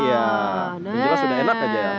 sudah enak saja ya